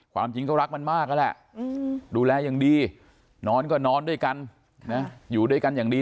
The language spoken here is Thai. ความจริงก็รักมันมากนั่นแหละดูแลอย่างดีนอนก็นอนด้วยกันอยู่ด้วยกันอย่างดี